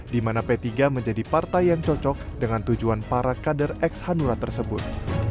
di mana p tiga menjadi partai yang cocok dengan tujuan para kader ex hanura tersebut